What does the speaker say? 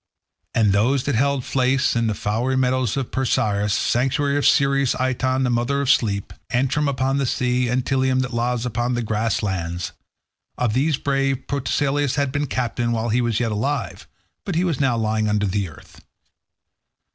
And those that held Phylace and the flowery meadows of Pyrasus, sanctuary of Ceres; Iton, the mother of sheep; Antrum upon the sea, and Pteleum that lies upon the grass lands. Of these brave Protesilaus had been captain while he was yet alive, but he was now lying under the earth.